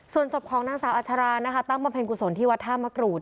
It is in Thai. ส่วนสบครองนางสาวอัชราตั้งประเภทกุศลที่วัดธามกรุฑ